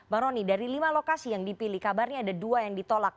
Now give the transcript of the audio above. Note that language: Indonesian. bang roni dari lima lokasi yang dipilih kabarnya ada dua yang ditolak